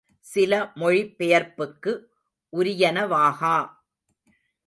சில மொழி பெயர்ப்புக்கு உரியனவாகா!